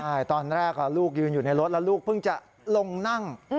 ใช่ตอนแรกลูกยืนอยู่ในรถแล้วลูกเพิ่งจะลงนั่ง